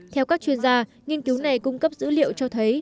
theo các chuyên gia nghiên cứu này cung cấp dữ liệu cho thấy